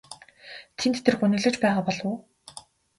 Тэнд тэр гуниглаж байгаа болов уу?